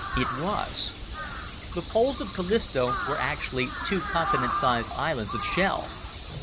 It was. The poles of Callisto were actually two continent sized islands of shell.